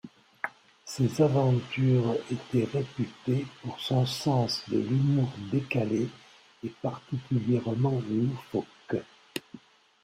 Ses aventures étaient réputées pour son sens de l'humour décalé et particulièrement loufoque.